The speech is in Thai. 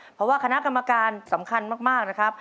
เพราะว่าคณะกรรมการสำคัญมากนะครับ